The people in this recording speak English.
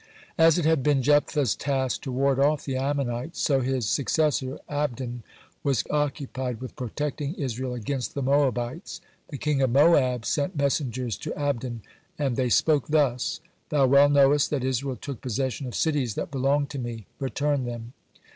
(109) As it had been Jephthah's task to ward off the Ammonites, so his successor Abdon was occupied with protecting Israel against the Moabites. The king of Moab sent messengers to Abdon, and they spoke thus: "Thou well knowest that Israel took possession of cities that belonged to me. Return them."